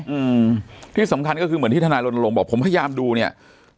อืมที่สำคัญก็คือเหมือนที่ทนายรณรงค์บอกผมพยายามดูเนี้ย